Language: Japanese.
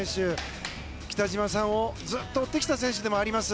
北島さんをずっと追ってきた選手でもあります。